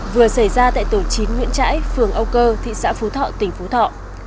vừa xảy ra tại tổ chín nguyễn trãi phường âu cơ thị xã phú thọ tỉnh phú thọ